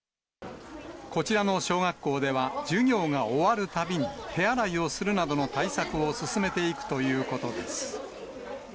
こちらの小学校では、授業が終わるたびに手洗いをするなどの対策を進めていくということです。